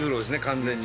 完全に。